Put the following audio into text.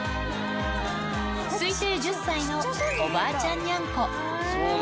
推定１０歳のおばあちゃんにゃんこ。